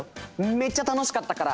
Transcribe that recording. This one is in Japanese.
めっちゃ楽しかったから！